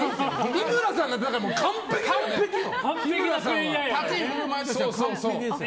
日村さんが完璧なのよ。